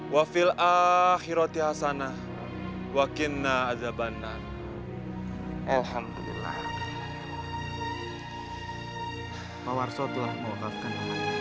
mawarso telah mewakafkan tuhan